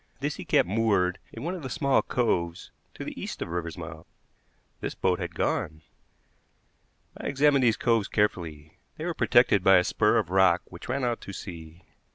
This he kept moored in one of the small coves to the east of Riversmouth. This boat had gone. I examined these coves carefully. They were protected by a spur of rock which ran out to sea.